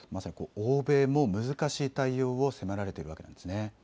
欧米も難しい対応を迫られているわけですね。